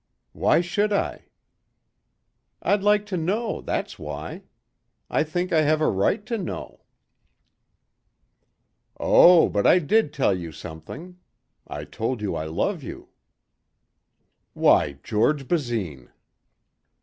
"Why should I." "I'd like to know, that's why. I think I have a right to know." "Oh but I did tell you something. I told you I love you." "Why, George Basine!"